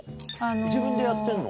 自分でやってんの？